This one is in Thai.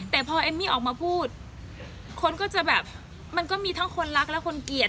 แต่พอเอมมี่ออกมาพูดคนก็จะแบบมันก็มีทั้งคนรักและคนเกลียด